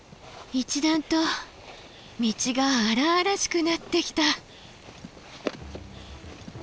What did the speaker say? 一段と道が荒々しくなってきた。